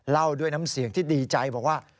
เล่าด้วยน้ำเสียงที่ดีใจบอกว่า